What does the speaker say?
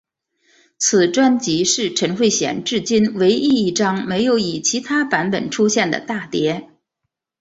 此专辑是陈慧娴至今唯一一张没有以其他版本出现的大碟。